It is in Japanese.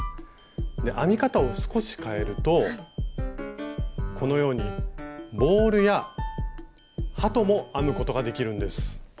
編み方を少し変えるとこのようにボールや鳩も編むことができるんです。